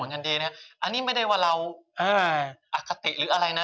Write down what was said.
ทันทีนะอันนี้ไม่ได้ว่าเราอคติหรืออะไรนะ